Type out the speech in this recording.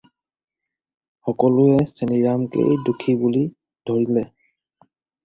সকলোৱে চেনিৰামকেই দোষী বুলি ধৰিলে।